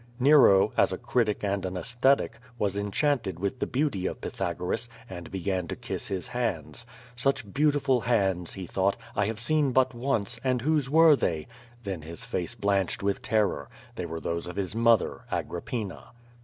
Nero, as a critic and an aesthetic, was enchanted with the l)eauty of Pythagoras, and began to kiss his hands. Such beautiful hands, he thought, I have seen but once, and whose were they? Then his face blanched with terror; they were those of his mother, Agrippina.